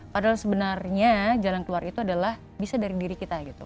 padahal sebenarnya jalan keluar itu adalah bisa dari diri kita gitu